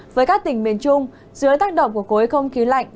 với các tỉnh miền trung dưới tác động của khối không khí lạnh